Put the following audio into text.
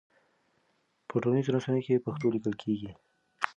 په ټولنيزو رسنيو کې پښتو ليکل کيږي.